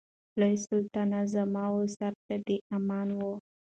لوی سلطانه زما و سر ته دي امان وي